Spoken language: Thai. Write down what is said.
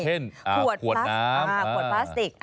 ขวดพลาสติก